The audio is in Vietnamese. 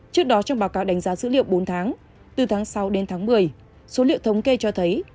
trước đó trong báo cáo đánh giá dữ liệu bốn tháng từ tháng sáu đến tháng một mươi số liệu thống kê cho thấy